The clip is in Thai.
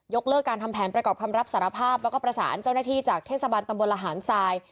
เลิกการทำแผนประกอบคำรับสารภาพแล้วก็ประสานเจ้าหน้าที่จากเทศบาลตำบลละหารทราย